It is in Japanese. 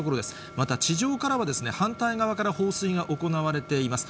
また、地上からは反対側から放水が行われています。